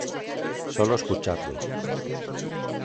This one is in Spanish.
Solo escucharlo.